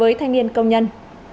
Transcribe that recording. với thanh niên công nhân